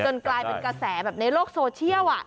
กลายเป็นกระแสแบบในโลกโซเชียล